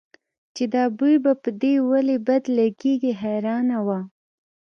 چې دا بوی به په دې ولې بد لګېږي حیرانه وه.